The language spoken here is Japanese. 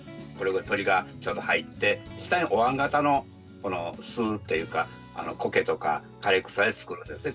鳥がちょうど入って下におわん型の巣というかコケとか枯れ草で作るんですね。